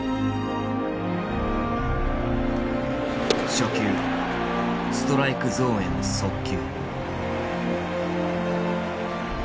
初球ストライクゾーンへの速球。